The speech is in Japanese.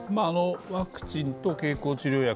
ワクチンと経口治療薬